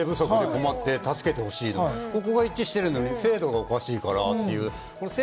野党側も人手不足で困って助けてほしい、ここが一致しているのに制度がおかしいからという。